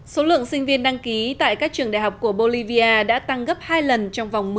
số lượng sinh viên đăng ký tại các trường đại học của bolivia đã tăng gấp hai lần trong vòng một mươi